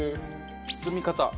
包み方。